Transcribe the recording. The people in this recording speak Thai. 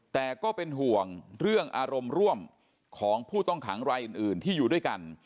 แต่ก็เป็นห่วงเรื่องอารมณ์ร่วมของผู้ต้องขังรายอื่นที่อยู่ด้วยกัน